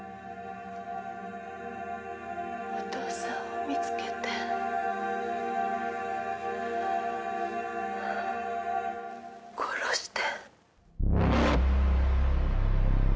お父さんを見つけて殺して。